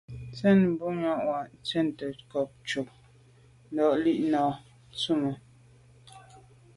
Sə̂n bu’ŋwà’nì swatə̂ncob ncob ntad lî nâ’ yα̌ tumə.